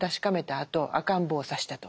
あと赤ん坊を刺したと。